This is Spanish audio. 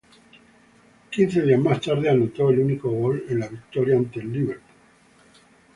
Quince días más tarde, anotó el único gol en la victoria ante el Liverpool.